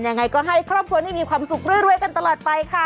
ยังไงก็ให้ครอบครัวนี้มีความสุขรวยกันตลอดไปค่ะ